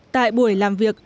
tại buổi làm việc